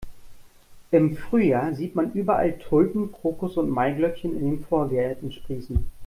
Im Frühjahr sieht man überall Tulpen, Krokusse und Maiglöckchen in den Vorgärten sprießen.